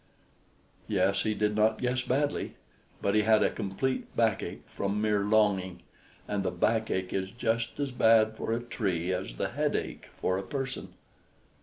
Yes, he did not guess badly. But he had a complete backache from mere longing, and the backache is just as bad for a Tree as the headache for a person.